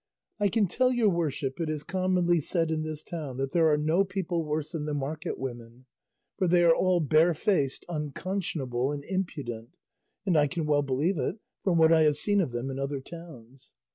I can tell your worship it is commonly said in this town that there are no people worse than the market women, for they are all barefaced, unconscionable, and impudent, and I can well believe it from what I have seen of them in other towns.